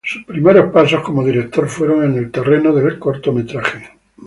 Sus primeros pasos como director fueron en el terreno del cortometraje.